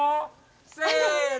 せの。